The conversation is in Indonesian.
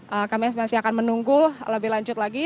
eee kami masih akan menunggu lebih lanjut lagi